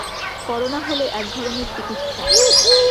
Corona হলে এক ধরনের চিকিৎসা।